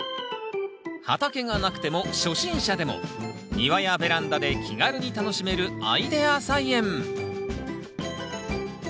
畑がなくても初心者でも庭やベランダで気軽に楽しめるアイデア菜園。